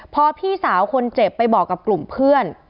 พอพี่สาวคนเจ็บไปบอกกับกลุ่มเพื่อน